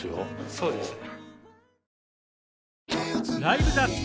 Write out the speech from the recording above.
そうですね。